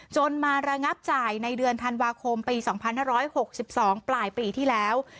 มาระงับจ่ายในเดือนธันวาคมปี๒๕๖๒ปลายปีที่แล้ว